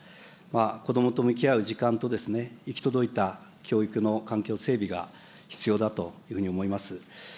子どもと向き合う時間とですね、行き届いた教育の環境整備が必要だというふうに思います。